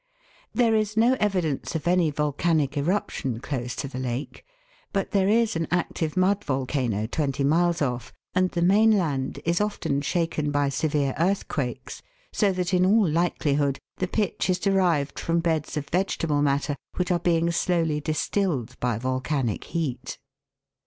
There is no evidence of any volcanic eruption close to the lake ; but there is an active mud volcano twenty miles off, and the mainland is often shaken by severe earthquakes, so that in all likelihood the pitch is derived from beds of vegetable matter, which are being slowly distilled by volcanic heat.